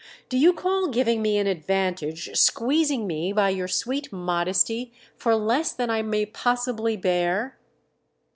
"Do you call giving me an advantage squeezing me by your sweet modesty for less than I may possibly bear?"